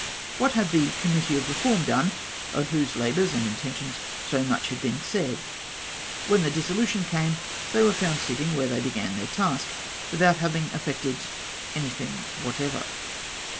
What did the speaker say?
What had the Committee of Reform done — of whose labours and intentions so much had been said ? When the dissolution came, they were found sitting where they began their task, without having effected anything whatever."